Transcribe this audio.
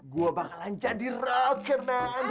gue bakalan jadi rocker men